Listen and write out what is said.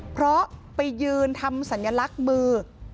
เพราะไปยืนทำสัญลักษณ์มือ